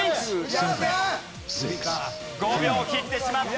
５秒を切ってしまった。